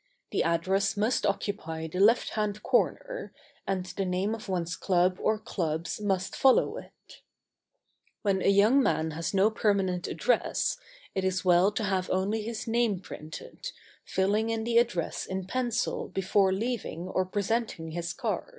The address must occupy the left hand corner, and the name of one's club or clubs must follow it. [Sidenote: In the absence of a permanent address.] When a young man has no permanent address, it is well to have only his name printed, filling in the address in pencil before leaving or presenting his card.